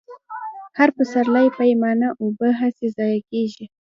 هر پسرلۍ پرېمانه اوبه هسې ضايع كېږي،